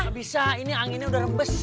nggak bisa ini anginnya udah rembes